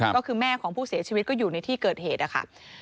ก็คือแม่ของผู้เสียชีวิตก็อยู่ในที่เกิดเหตุนะคะ